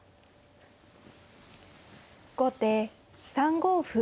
後手３五歩。